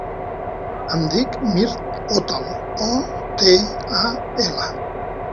Em dic Mirt Otal: o, te, a, ela.